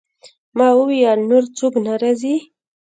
ما وویل: نور څوک نه راځي؟